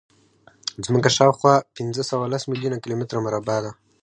ځمکه شاوخوا پینځهسوهلس میلیونه کیلومتره مربع ده.